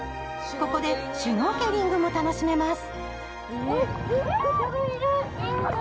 ここでシュノーケリングも楽しめます。